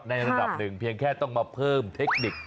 ในระดับหนึ่งเพียงแค่ต้องมาเพิ่มเทคนิค